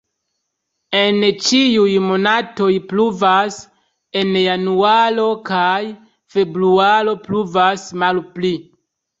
En ĉiuj monatoj pluvas, en januaro kaj februaro pluvas malpli.